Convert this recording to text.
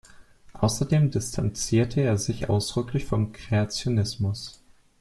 Außerdem distanzierte er sich ausdrücklich vom Kreationismus.